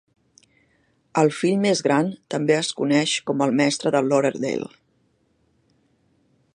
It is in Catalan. El fill més gran també es coneix com el Mestre de Lauderdale.